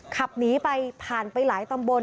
ขับหนีไปผ่านไปหลายตำบล